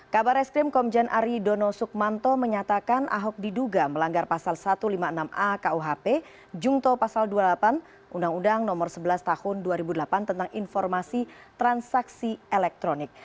kabar eskrim komjen ari dono sukmanto menyatakan ahok diduga melanggar pasal satu ratus lima puluh enam a kuhp jungto pasal dua puluh delapan undang undang nomor sebelas tahun dua ribu delapan tentang informasi transaksi elektronik